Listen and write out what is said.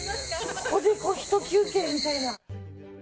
ここでひと休憩みたいな。